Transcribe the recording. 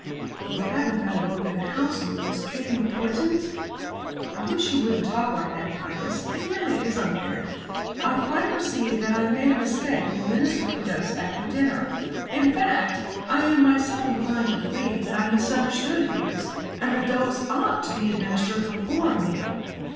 "You haven't got a book in the house, Lucas, treating of poisons?" "I wish you wouldn't talk like that, Pybus. It really is unfair. I quite perceive that I made a mistake in administering the dose after dinner; in fact, I am myself inclined to believe that I misunderstood Hughes, and that the dose ought to be administered before a meal."